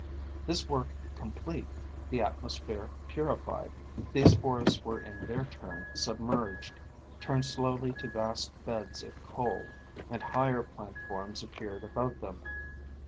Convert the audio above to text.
This work complete, the atmosphere purified, these forests were in their turn submerged, turned slowly to vast beds of coal, and higher plant forms appeared above them.